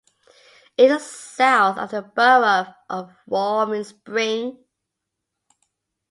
It is south of the borough of Roaring Spring.